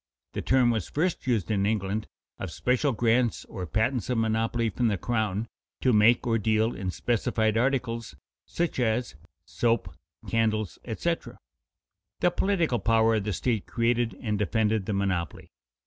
The term was first used in England of special grants or patents of monopoly from the crown to make or deal in specified articles, such as soap, candles, etc. The political power of the state created and defended the monopoly.